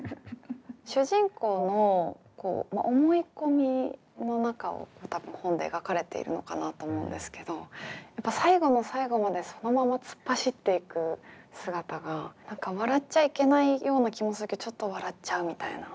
主人公の思い込みの中を多分本で描かれているのかなと思うんですけど最後の最後までそのまま突っ走っていく姿が何か笑っちゃいけないような気もするけどちょっと笑っちゃうみたいな。